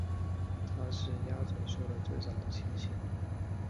它是鸭嘴兽的最早的亲属。